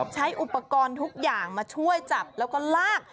ใช้อุปกรณ์ทุกอย่างมาช่วยจับแล้วก็ลาก